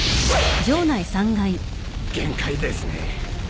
限界ですね。